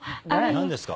何ですか？